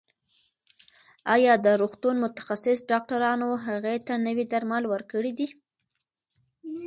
ایا د روغتون متخصص ډاکټرانو هغې ته نوي درمل ورکړي دي؟